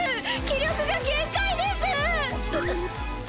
気力が限界です！